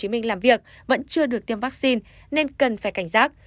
nhưng bác sĩ châu vẫn chưa được tiêm vaccine nên cần phải cảnh giác